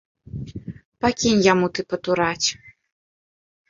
Пакінь яму ты патураць.